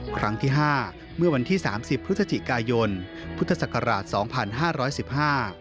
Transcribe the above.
ครั้งที่๕เมื่อวันที่๓๐พฤศจิกายนพุทธศักราช๒๕๑๕